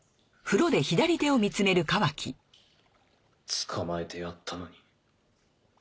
捕まえてやったのに。